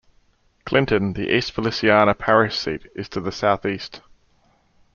Clinton, the East Feliciana Parish seat, is to the southeast.